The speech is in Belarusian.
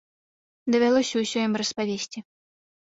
Давялося ўсё ім распавесці.